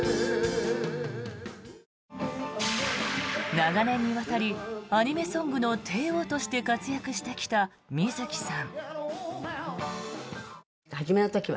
長年にわたりアニメソングの帝王として活躍してきた水木さん。